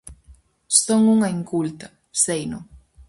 Son unha inculta, seino.